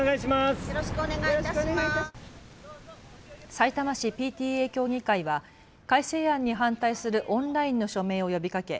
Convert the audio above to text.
さいたま市ＰＴＡ協議会は改正案に反対するオンラインの署名を呼びかけ